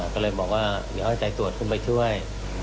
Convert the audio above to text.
ก็เลยบอกว่าอย่าให้ใจตรวจขึ้นไปช่วย